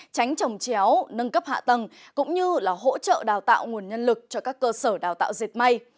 tránh trồng chéo nâng cấp hạ tầng cũng như là hỗ trợ đào tạo nguồn nhân lực cho các cơ sở đào tạo dệt may